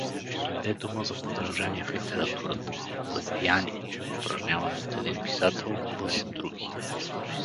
Дойде дума за подражание в литературата; за влияние, упражнявано от един писател въз други.